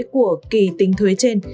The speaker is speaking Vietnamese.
của kỳ tính thuế trên